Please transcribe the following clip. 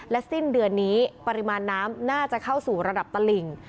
สิ้นเดือนนี้ปริมาณน้ำน่าจะเข้าสู่ระดับตลิ่ง